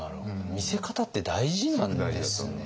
見せ方って大事なんですね。